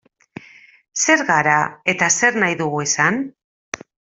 Zer gara eta zer nahi dugu izan?